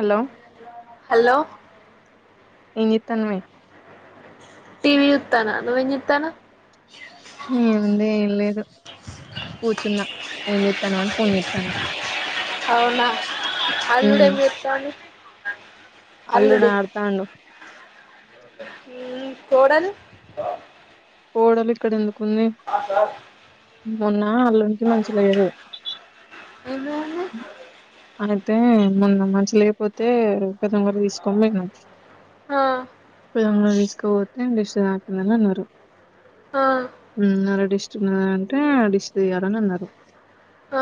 Hello hello ఏంజేత్తాన్నవే TV చూత్తాన్న నువ్వేం చూత్తాన్నవ్ ఏముంది, ఏం లేదు కూచున్న ఏం చేత్తాన్నవ్ అని ఫోన్ చేత్తాన్నా అవునా అల్లుడు ఏం చేస్తాండు అల్లుడు అడుతాండ కోడలు కోడలు ఇక్కడ ఉంది మొన్న అల్లునికి మంచి లేదు ఏమైంది అతే మొన్న మంచి లేకపోతే పెదం దగ్గర తీసుకొని పోయాం ఆ తీసుకుపోతే దిష్టి తాకింది అని అన్నారు ఆ ఉ నర దిష్టి అంటే డిష్ తీయ్యాలని అన్నారు ఆ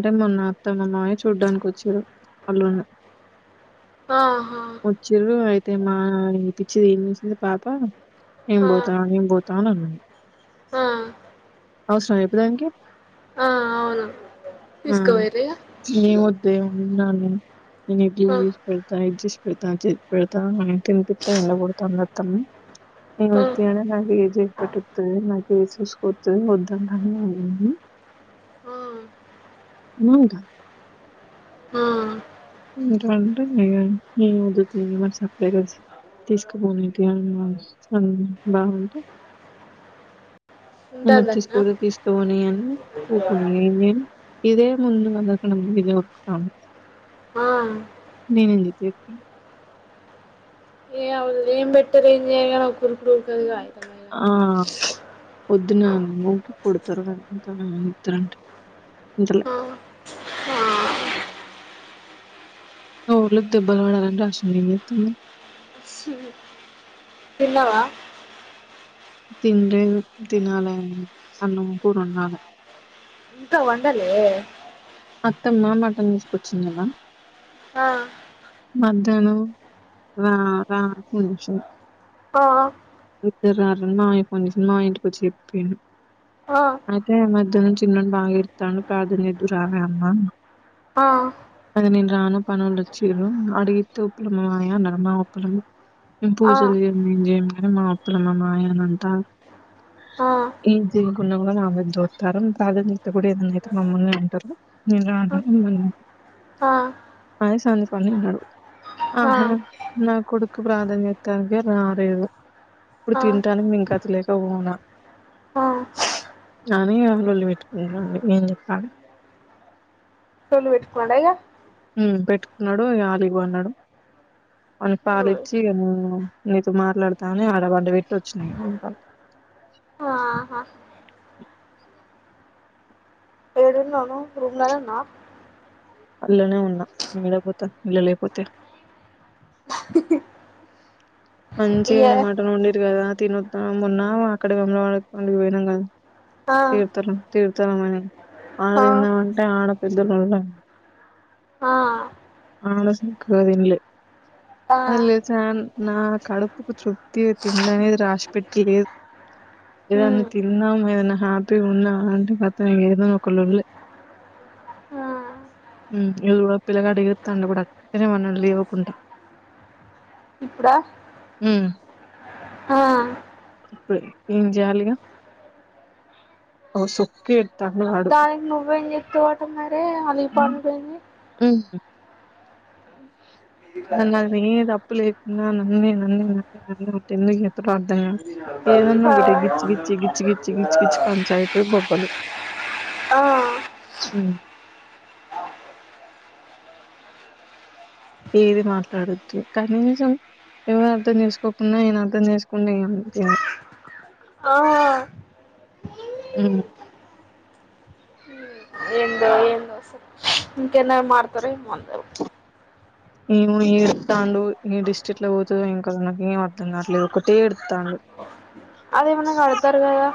అంటే మొన్నోత్తమం మావయ్య చూడ్డానికి వచ్చిండ్రు పలోన్న ఆహా వచ్చిరు అయితే మా పిచ్చిది ఏం చేసింది పాప నిన్ ఆ బోతా నీ తాను అన్నది ఆ అవసరమా చెప్పు దానికి ఆ అవును ఆ తీసుకుపోయిర్రు ఇగ ఏ ఉండాలి నేను ఇడ్లీలు ఆ తీసుకుపోయి ఇస్తా అని ఇచ్చేసి నాకి పోతాను తినిపిస్తా ఎండబడుతాంది త్తమ్మి ఆ నేనోత్త నేన్ చేయకపోతే వతుది నాకు చూసుకతు వద్దంటనే ఉంది ఆ అమ్మంట ఆ ఎంకా అంటే ఇ ఏ వదుతా మరి సప్పరేగా తీసుకుపోని అ అ బాగుంటే ఉంటాంది మర్చస్ అట్నా కూడా తీసుకోవని అని ఊకున్నా నేను ఇదే ముందు వందకడం ఇది రుకును ఆ చెప్పే ఏ వాళ్ళు ఏం పెట్టారు ఏమ్ చెయ్యరు కానీ ఆ పోద్దునా పడు ఇద్దారంటే ఇంటలే ఆ ఆ దెబ్బలు వాడాలని రాసుంది తిన్నావా తినలేదు తినాలి అన్నం కూర వండాలే ఇంకా వండలే అత్తమ్మ మటన్ తీసుకొచ్చింది ఆ మధ్యాహ్నం రా రాపునుషన్ ఆ ఇద్దరు రారని మా ఇయ ఫోన్ చేసింది మా ఇంటికి వచ్చి చెప్పాను ఆ అయితే మధ్యాహ్నం చిన్నడి బాగా ఇడతాను ప్రార్థన చేద్దు రగా అమ్మా ఆ అది నేను రాను పనులు వచ్చ్ర అడిగితే ఉప్పలమ మాయాన్నర్మా ఉప్పలమా ఆ పూజలు చే ఏం చేయ మా అప్పులు మా మాయ అని అంట ఆ ఈ జీకున్న కూడా నా దొతారు ప్రాధాన్యత కూడా ఏదనాయితే మమ్మల్ని అంటారు నేను రా ఆ ఆ అది సంధ పడి విన్నాడు ఆహా నా కొడుకు ప్రాధాన్యతనికి రాలేదు ఇప్పుడు ఆ తింటానికి ఇంకా గతిలేక పోనా ఆ కానీ వాలోల్లు పెట్టుకుంటున్నాండి ఏం చెప్పాలి లొల్లి పెట్టుకున్నాడా ఇగా పెట్టుకున్నాడు అడిగి పన్నాడు అని పాలిచ్చి అ నీతో మాట్లాడతాని ఆడ పండ పెట్టి వచ్చినాయి అ ఆహా ఏడు ఉన్నావ్ నువ్ రూమ్ల నే ఉన్నావా అల్లానే ఉన్నా ఏడీకి పోతా ఇళ్ళ లేకపోతే ఇగ మంచిగానే మాటన్ వండిర్రు కదా తినోద్ధాం అనుకున్న అక్కడ వేములవాడకి పనికి పోయినాం కదా ఆ తీర్థన త తీర్థ రమని ఆడ ఆ తిందాంమంటే ఆడ పెద్దలుళ ఆ అడాసక్కగా ఆ తినాలే నా కడుపుకు తృప్తి తిండి అనేది రాసి పెట్టిలేదు ఏదన్నా ఉమ్ తిందాము ఏదన్నా హ్యాపీగా ఉన్నాం అంటే ఖతం ఏదో ఒక లొల్లి ఆ ఇగా చూడు పిల్లగాడు ఏడు ఏడుత్తాడు కూడా ఎనిమన్నా లేవకుంట ఇప్పుడా ఉమ్ ఆ ఇప్పుడు ఏం చేయాలిగా ఒ సొక్కే దానికి నువ్వేం చేస్తావ్ ట ఏ అవి పనులున్నాయ్ ఉమ్ అస్సల్ నాదే తప్పులేకున్నా నన్నే నన్నే నన్నే ఒకటి ఏందుకు చేస్తారో తెల్వదు ఏదన్నా ఒకటి గిచ్చి గిచ్చి గిచ్చి గిచ్చి గిచ్చి గిచ్చి కంచాయతు బొబ్బలు ఆ ఉమ్ ఏది మాట్లాడొద్దు కనీసం ఎవరు అర్థం చేసుకోకున్నా ఈయన అర్థం చేసుకున్నా ఏమ్ అనిపియదు ఆ ఆ ఉమ్ ఇంకేన్నాడు మార్తారో ఏమో అందారూ ఏమో ఏడతాండు ఈ దిష్టి ఎట్లా పోతదో ఏం కాతనో నాకు ఏం అర్ధం కావట్లేదు ఒకటే ఎడుతాండు అదేమన్నా కడతారు కదా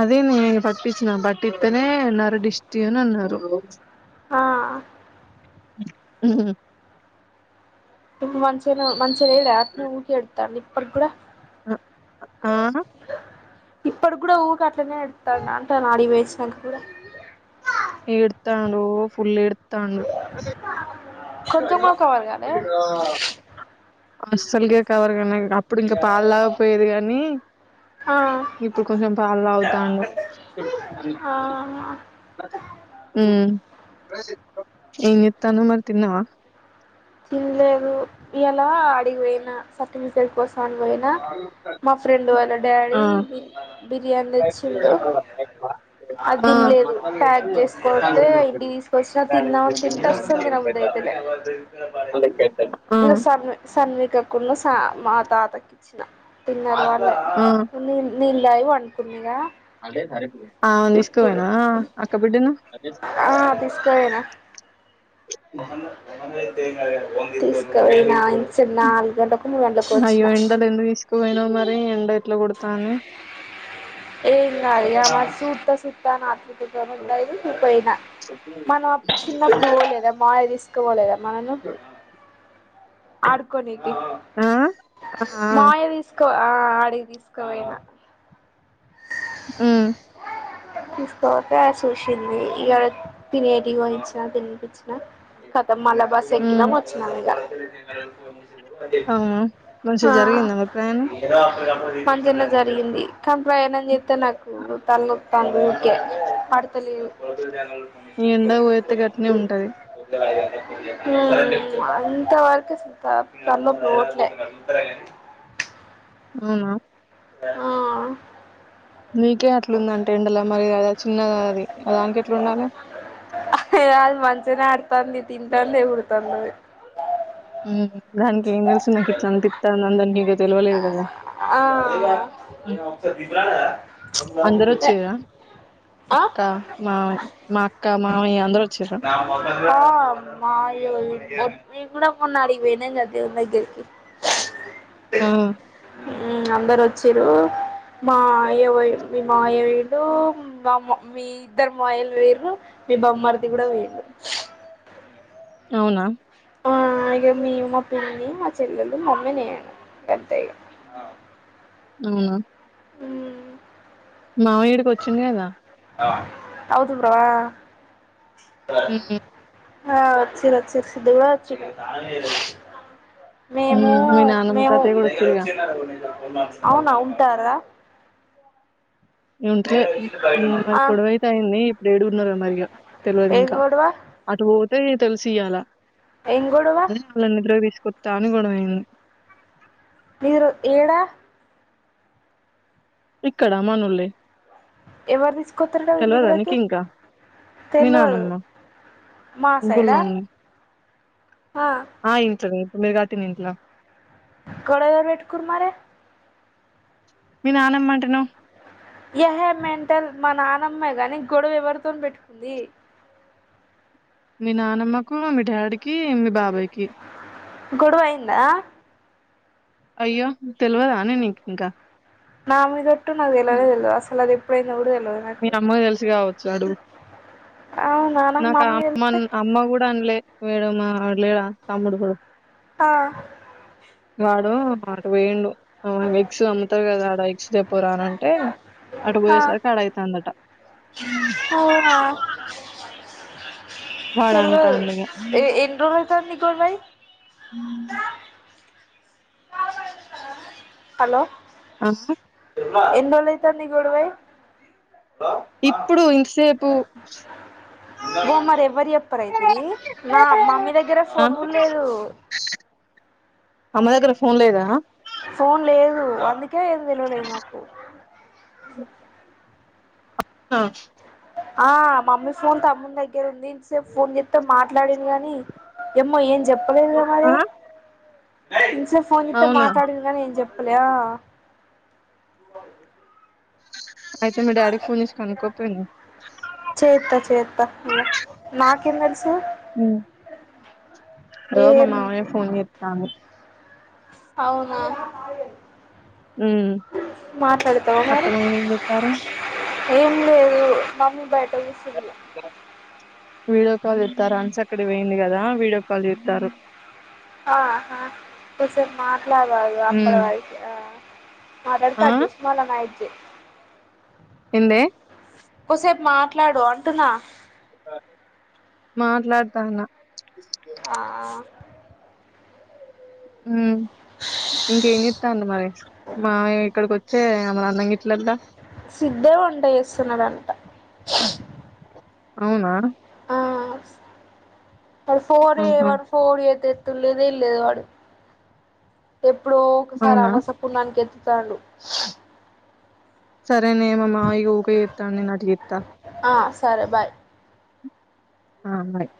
అదే నేను పట్టించినా పట్టిస్తేనే నర దిస్టి అని అన్నారు. ఆ ఇప్పుడు మంచిగనే మంచిగ లేడా ఆపిల్ల ఊకే ఏడుత్తా ఉంది ఇప్పటికికూడా ఆ ఇప్పడుకి కూడా ఊకే అట్లనే ఎడుత్తాడు [unintelligible] ఏడుతాండు ఓ ఫుల్ ఏడుత్తాండ్డు కొంచం గ కావాలి కదే అస్సలుగా కవరు కనీ అప్పుడు ఇంకా పాలుతాగకపోయేది గానీ ఆ ఇప్పుడు కొంచెం పాలు తాగుతాండు. ఆ ఉమ్మ్ ఏం చేత్తన్నావ్ మరి తిన్నావా. ఇయ్యాల ఆడికి పొయినా సర్టిఫికెట్ కోసం తాన్ బోయినా మా ఫ్రెండ్ వాళ్ళ ఆ డాడీ బిర్యానీ తెచ్చిండు అది ఆ తినలేదు ప్యాక్ చేసుకొతే ఇంటికి తీసుకొచ్చిన తిందామని తింటే అస్సలు తినబుద్ధి అయితలే ఆ ఇంకా సన్వి సన్వికకున్న స మా తాతకి ఇచ్చిన తిన్నారు వా ఉ నేను లైవ్ అనుకున్నాద ఆమెను తీసుకోబోయినావ అక్క బిడ్డను వంద వందవేలు [inaudible] పోయినా అనుంచి నాలుగు గంటలకు మూడు గంటలకు అయ్యో వచ్చిన ఎండలు ఎందుకు తీసుకుపోయినావు మరి ఎండ ఎట్లా కొడతాంది ఏం కాదు ఇక చూత సూత నా అకడ కూర్చొనివున్నారు పోయినా మనం అప్పుడు చిన్నప్పుడు పోలేద మాయి తీసుకపోలేదా మను ఆడుకోనీకి ఆ ఆ మాయ వీసు తో ఆ ఆడికి తీసుకోపోయినా ఉమ్మ్ తీసుకోపోతే చూసింది ఇడ తిని ఎది వంచిన తినినిపించిన మల్ల బస్ ఉమ్ ఎక్కినం వచ్చినం ఇగ అవునా మంచిగా జరిగిందా మరి ప్రయాణం మంచిగనే జరిగింది కం ప్రయాణం చేస్తే నాకు తల నొత్తంది ఊకె పడతలేదు. [unintelligible] ఈ ఎండ కి పోతే గట్నే ఉంటది. ఊమ్మ్ అంత వరకు అసల్ త తలనొప్పి పోవట్లే అవునా ఆ నీకే అట్లుందంటే ఎండలో మరి దా చిన్నది అది దానికి ఎట్ల ఉండాలే తింటాంది ఇప్పుడు [unintelligible] ఉం దానికి ఏం తెలిసు నాకు ఇట్లా అని పిత్తాంది అని దానికి ఇక తెలివలేదు కదా. ఆ అందరు వచ్చిర్రా ఆ అక్క మామయ్య మా అక్క మామయ్య అందరు వచ్చిర్రా ఆ మాయో మేం కూడా మొన్న ఆడికి పోయినం కదా దేవుని దగ్గరికి ఆ హు అందరు వచ్చిరు మా యవ్వయ మీ మావయ్య వోయిండు మామ్మ మీ ఇద్దరు మావయ్యలు వోయిర్రు మీ బామ్మార్ది కూడా వోయిండు అవునా ఆ ఇగ మేమూ మా పిన్ని మా చెల్లెలు మా అమ్మనేను అంతే ఇగ ఊ ఊ మామ ఇడికి వచ్చిండు కదా అవుద్ అవుదురా ఆ ఉమ్ హ వొచ్చిరు వొచ్చిరు సిద్దంగా వొచ్చిరు మేము హ్మ్ మీ నానమ్మ మేము తాతయ్య కూడా వచ్చిరుగా అవునా ఉంటారా నేన్ ఉంటలే మరి ఆ గొడవ అయితే అయింది ఇప్పుడు ఏడున్నారో మరిగా తెలవదు ఏం ఇంకా గొడవ అటు పోతే అంతే తెలిసి ఇయ్యాల ఏం గొడవ అదే వాళ్ళని నిద్రకు తీసుక్ కొత్తా అని గొడవైంది మీరు ఏడా ఇక్కడ మనొల్లె ఎవరు తీసుకోత్తారట వీళ్ళ దగ్గరకి నీకు ఇంకా మీ తెలవదు నానమ్మ మా సైడా ఇంకొల్లోని ఆ ఇంటది మేము గట్టిన ఇంట్ల గొడవ ఎవరు పెట్టుకున్రు మరి మీ నానమ్మఅంటనవ్ ఏ హేయ్ మెంటల్ మా నానమ్మే గాని గొడవ ఎవరితోన్ పెట్టుకుంది మీ నానమ్మకు మీ డాడికి మీ బాబయ్కి గొడవ అయిందా అయ్యో తెలివదానే నీకు ఇంకా నా మీద ఒట్టు నాకూ తెలవనే తెల్దు అసలు అది ఎప్పుడైందో కూడా తెలవదు మీ నాకు అమ్మకు తెలుసు కావచ్చు అడుగు అవునా నాకు మా ఆ మీద అమ్మ తెలిస్తే అమ్మ కూడా అనలే వేరే మావోడు లేడా తమ్ముడు కొడుకు ఆ వాడు అటు పోయిండు ఆ ఎగ్గ్స్ నేను అమ్ముతా కదా ఎగ్ స్టెప్ పోరార అంటే అటు ఆ పోయేసరికి అడై దట తెలవదు ఎ ఎన్ని రోజులు అయితాంది తివేయ్ [unintelligible] హలో ఆ ఎన్ని రోజులయితాందిగొడవయ్యి ఇప్పుడు ఇంతసేపు ఓ మరి ఎవ్వరు చెప్పరు అయితిరి నా మమ్మీ దగ్గర అ ఫోన్ కూడా లేదు అమ్మ దగ్గర ఫోన్ లేదా ఫోన్ లేదు అందుక్ కే ఏం తెలవలేదు మాకు ఆ ఆ మమ్మీ ఫోన్ తమ్మని దగ్గర ఉంది ఇంతసేపు ఫోన్ చెస్తతే మాట్లాడిను గాని ఏమ్మో ఏం ఆ, చెప్పలేదేమరి ఏయ్ ఇన్సెప్ ఫోన్ చేస్తే అవునా మాట్లాడింగ్ గానీ ఏం చెప్ పాలియా అయితే మీ డాడీకి ఫోన్ చేసి కనుక్కోపోయినవ్ చేేతా చేతా ఇంగ మా కిన్దల్ ఉమ్ రో మా ఏం మామయ్య ఫోన్ చేతండూ అవునా ఉమ్ మాట్లాడతావు మరి అత్తమ్మ వదిన ఏం చేత్తారు ఏం లేదు మమ్మీ బయట తెలిసిలు వీడియో కాల్ చెస్తారు అన్స్ అక్కడ పోేయింది కదా వీడియో కాల్ చెస్తారు ఆహా కోసేపు మా అట్ల కాదు అప్పుల ఉమ్ వరకి మాట్లాడి ఆ కట్ చెస్ మల్ల నైట్ చే ఎందే కోసేపు మాట్లాడు అంటున్నా మాట్లాడతానా ఆ ఉమ్ ఇంకేం చెస్తాండి మరి మావయ్య ఇక్కడికి వచ్చి సే ఏమనంనంగిట్లల సిధే వంట చేస్తున్నాడంట అవునా ఆ వన్ ఫోర్ ఏ ఆహా వన్ ఫోర్ ఏతే తున్ లేదే ఏం లేదు వాడు ఎప్పుడో ఒకసారి అవునా అమావాస్య పున్నానికి తాను సరే నేమమ్మా ఈగ ఓకే చేస్తోంది ఇక చేస్తా సరే బాయ్ ఆ బాయ్